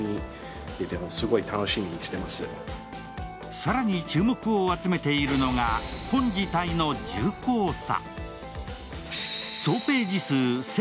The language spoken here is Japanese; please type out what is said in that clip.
更に注目を集めているのが、本自体の重厚さ。